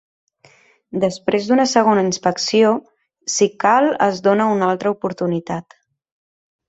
Després d’una segona inspecció, si cal es dóna una altra oportunitat.